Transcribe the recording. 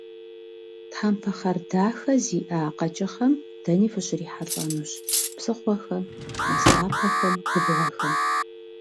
Тхьэмпэ хъар дахэ зиӏэ а къэкӏыгъэм дэни фыщрихьэлӏэнущ: псыхъуэхэм, мэз лъапэхэм, губгъуэхэм.